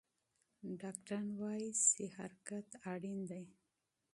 ډاکټران ویلي چې حرکت ضروري دی.